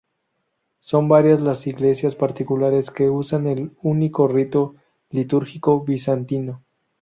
Son varias las Iglesias particulares que usan el único rito litúrgico bizantino.